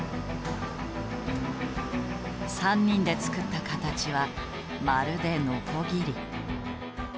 ３人で作った形はまるでノコギリ。